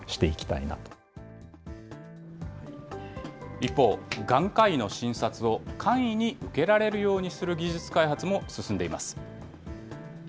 一方、眼科医の診察を簡易に受けられるようにする技術開発も進んでいます。